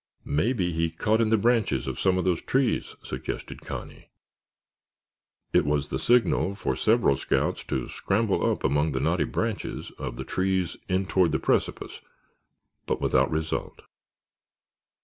"Maybe he caught in the branches of some of those trees," suggested Connie. It was the signal for several scouts to scramble up among the knotty branches of the trees in toward the precipice, but without result.